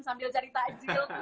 sambil cari tajil